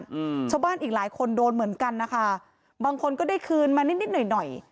อืมชาวบ้านอีกหลายคนโดนเหมือนกันนะคะบางคนก็ได้คืนมานิดนิดหน่อยหน่อย